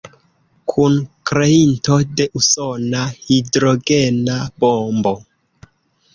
Kunkreinto de usona hidrogena bombo.